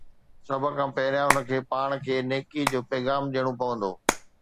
سڀ کان پهريان، هن کي پاڻ کي نيڪي جو پيغام ڏيڻو پوندو.